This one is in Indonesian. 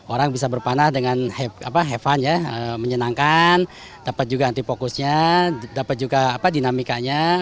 orang bisa berpanah dengan have fun ya menyenangkan dapat juga antifokusnya dapat juga dinamikanya